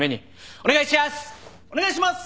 お願いします！